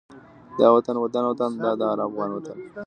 دا وطن ودان وطن دا د هر افغان وطن